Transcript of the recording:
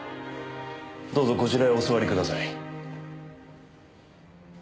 どうぞこちらへお座りください。